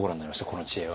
この知恵は。